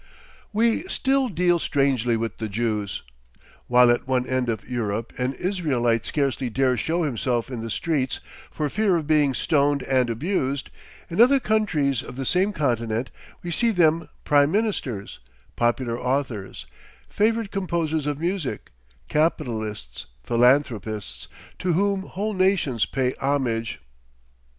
We still deal strangely with the Jews. While at one end of Europe an Israelite scarcely dares show himself in the streets for fear of being stoned and abused, in other countries of the same continent we see them prime ministers, popular authors, favorite composers of music, capitalists, philanthropists, to whom whole nations pay homage.